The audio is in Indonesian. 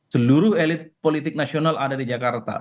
seluruh elit politik nasional ada di jakarta